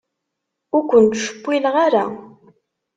Ur ken-ttcewwileɣ ara.